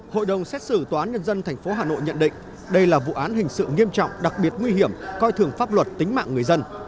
hội đồng xét xử tòa án nhân dân tp hà nội nhận định đây là vụ án hình sự nghiêm trọng đặc biệt nguy hiểm coi thường pháp luật tính mạng người dân